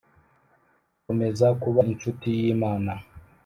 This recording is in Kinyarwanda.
Komeza kuba incuti y Imana